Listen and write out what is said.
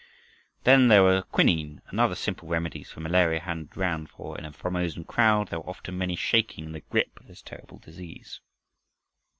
Then there were quinine and other simple remedies for malaria handed round, for in a Formosan crowd there were often many shaking in the grip of this terrible disease.